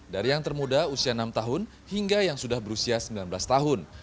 dari yang termuda usia enam tahun hingga yang sudah berusia sembilan belas tahun